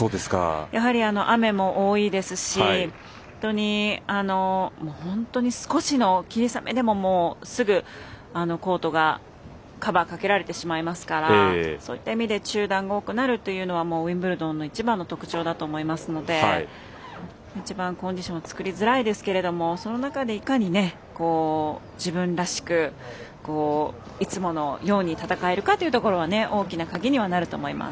やはり、雨も多いですし本当に少しの霧雨でもすぐコートがカバーかけられてしまいますからそういった意味で中断が多くなるというのはウィンブルドンの一番の特徴だと思いますので一番コンディション作りづらいですけどその中で、いかに自分らしくいつものように戦えるかというところが大きな鍵にはなると思います。